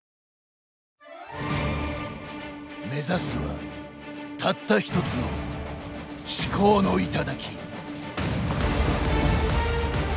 目指すは、たった１つの至高の頂。